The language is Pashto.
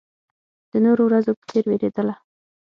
د نورو ورځو په څېر وېرېدله.